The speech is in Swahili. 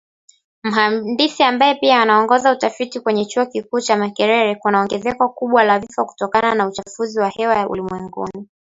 Mhandisi ambaye pia anaongoza utafiti kwenye chuo kikuu cha Makerere, kuna ongezeko kubwa la vifo kutokana na uchafuzi wa hewa ulimwenguni.